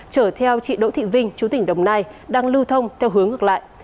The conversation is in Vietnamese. chở theo chị đỗ thị vinh chú tỉnh đồng nai đang lưu thông theo hướng ngược lại